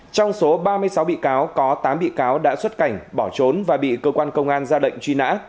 trong số ba mươi sáu bị cáo có tám bị cáo đã xuất cảnh bỏ trốn và bị cơ quan công an ra lệnh truy nã